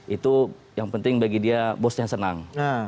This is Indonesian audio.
itu yang penting bagi dia bosnya senang